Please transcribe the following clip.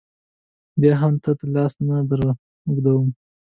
بیا هم تا ته لاس نه در اوږدوم.